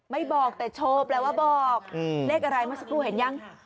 ไม่บอกแต่โชว์แปลว่าบอกเลขอะไรเมื่อสักครู่เห็นยัง